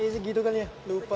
iya segitu kali ya lupa